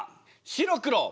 白黒。